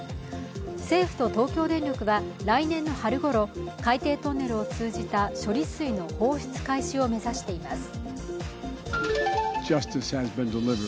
政府と東京電力は来年の春ごろ海底トンネルを通じた処理水の放出開始を目指しています。